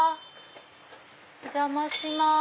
お邪魔します。